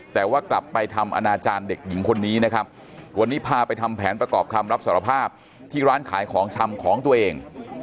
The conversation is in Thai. แต่ว่ากลับไปทำอนาจารย์เด็กหญิงคนนี้นะครับวันนี้พาไปทำแผนประกอบคำรับสารภาพที่ร้านขายของชำของตัวเอง